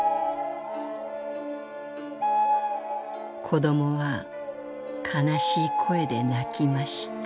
「子どもは悲しい声で鳴きました」。